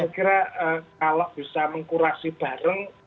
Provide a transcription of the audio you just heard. saya kira kalau bisa mengkurasi bareng